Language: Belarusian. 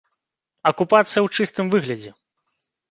Акупацыя ў чыстым выглядзе!